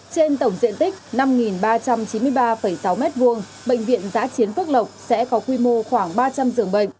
trên tổng diện tích năm ba trăm chín mươi ba sáu m hai bệnh viện giã chiến phức lọc sẽ có quy mô khoảng ba trăm linh dường bệnh